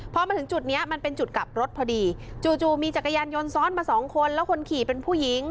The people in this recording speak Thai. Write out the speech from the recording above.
พอมาถึงจุดนี้มันเป็นจุดกลับรถพอดีจู่มีจักรยานยนต์ซ้อนมาสองคนแล้วคนขี่เป็นผู้หญิง